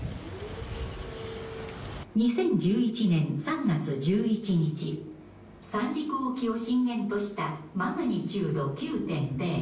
「２０１１年３月１１日三陸沖を震源としたマグニチュード９．０」